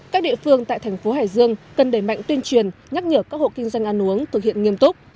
các địa phương tại thành phố hải dương cần đẩy mạnh tuyên truyền nhắc nhở các hộ kinh doanh ăn uống thực hiện nghiêm túc